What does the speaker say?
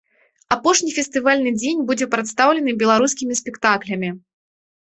Апошні фестывальны дзень будзе прадстаўлены беларускімі спектаклямі.